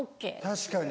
確かに。